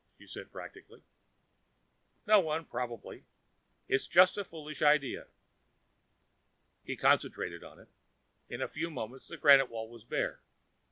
she asked practically. "No one, probably. It was just a foolish idea." He concentrated on it. In a few moments the granite wall was bare.